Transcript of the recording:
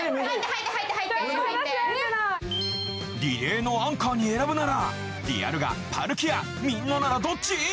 リレーのアンカーに選ぶならディアルガパルキアみんなならどっち？